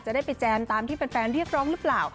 จะได้ไปแจมตามที่แฟนเรียกร้องหรือเปล่า